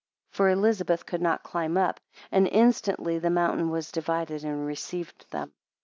6 For Elizabeth could not climb up, 7 And instantly the mountain was divided and received them.